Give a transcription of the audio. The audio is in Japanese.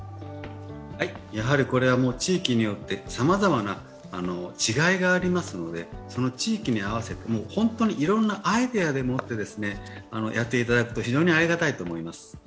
やはりこれは、地域によってさまざまな違いがありますのでその地域に合わせて、本当にいろいろなアイデアでやっていただくと非常にありがたいと思います。